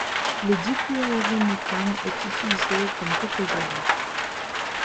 Le difluorométhane est utilisé comme réfrigérant.